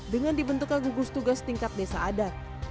dengan dibentukkan gugus tugas tingkat desa adat